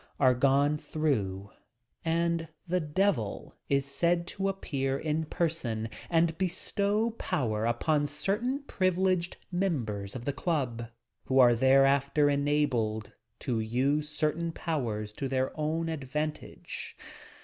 are gone through, and the "devil" is said to appear in person and bestow power upon cer tain privileged members of the club who are there after enabled to use certain powers to their own advan tage.